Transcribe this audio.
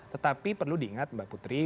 tetapi perlu diingat mbak putri